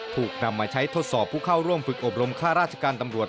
ถูกนำมาใช้ทดสอบผู้เข้าร่วมฝึกอบรมค่าราชการตำรวจ